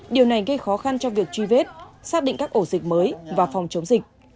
điều này gây khó khăn cho việc truy vết xác định các ổ dịch mới và phòng chống dịch